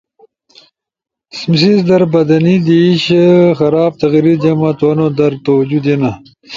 سیس در بدنی دیش، خراب تقریر جمع تھونو در توجہ دینا،